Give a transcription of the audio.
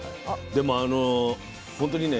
でも本当にね